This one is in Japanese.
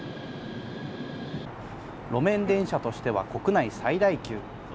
路面電車としては国内最大級。